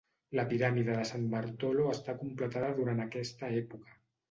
La piràmide de San Bartolo està completada durant aquesta època.